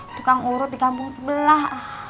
tukang urut di kampung sebelah